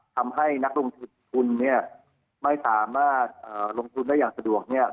ทำให้นักลงทุนไม่สามารถลงทุนได้อย่างสะดวก